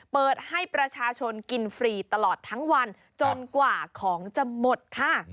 เปิดให้ประชาชนกินฟรีตลอดทั้งวันจนกว่าของจะหมดค่ะ